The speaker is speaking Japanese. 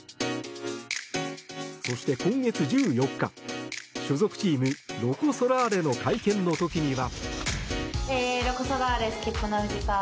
そして今月１４日所属チーム、ロコ・ソラーレの会見の時には。